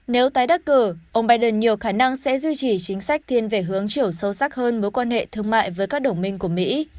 nếu tái đắc cử ông biden nhiều khả năng sẽ duy trì chính sách thiên về hướng chiều sâu sắc hơn mối quan hệ thương mại với các đồng minh của mỹ